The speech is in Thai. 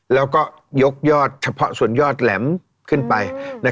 แล้วก็ยกยอดเฉพาะส่วนยอดแหลมขึ้นไป